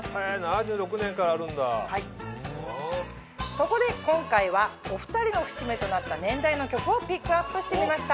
そこで今回はお２人の節目となった年代の曲をピックアップしてみました。